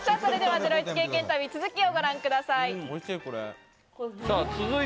ゼロイチ経験旅、続きをご覧ください。